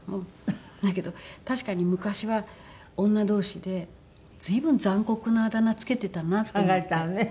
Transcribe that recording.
だけど確かに昔は女同士で随分残酷なあだ名付けてたなと思って。